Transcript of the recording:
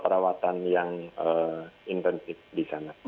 perawatan yang intensif di sana